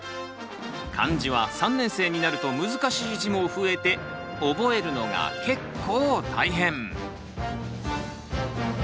漢字は３年生になると難しい字も増えて覚えるのが結構大変。